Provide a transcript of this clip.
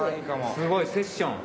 すごいセッション。